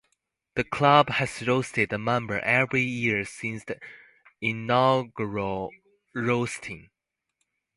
The club has roasted a member every year since the inaugural roasting.